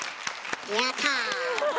やった。